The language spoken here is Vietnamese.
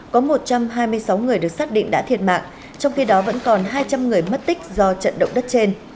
có một trăm hai mươi sáu người được xác định đã thiệt mạng trong khi đó vẫn còn hai trăm linh người mất tích do trận động đất trên